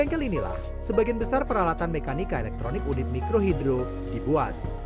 dan setelah itulah sebagian besar peralatan mekanika elektronik unit mikrohidro dibuat